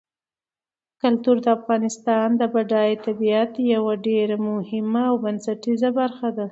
کلتور د افغانستان د بډایه طبیعت یوه ډېره مهمه او بنسټیزه برخه ده.